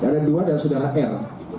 ada dua dan saudara r